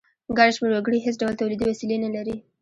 ګڼ شمیر وګړي هیڅ ډول تولیدي وسیلې نه لري.